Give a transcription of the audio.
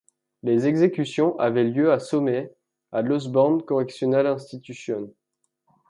Les exécutions avaient lieu à Somers, à l'Osborn Correctional Institution.